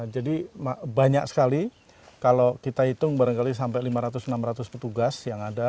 jadi banyak sekali kalau kita hitung barangkali sampai lima ratus enam ratus petugas yang ada